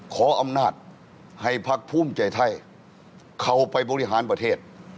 ขออำนาจให้พักภูมิใจไทยเข้าไปบริหารประเทศ